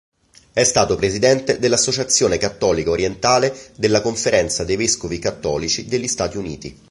È stato presidente dell'Associazione cattolica orientale della Conferenza dei vescovi cattolici degli Stati Uniti.